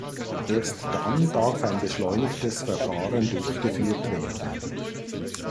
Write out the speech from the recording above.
Erst dann darf ein beschleunigtes Verfahren durchgeführt werden.